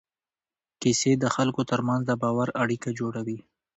کیسې د خلکو تر منځ د باور اړیکه جوړوي.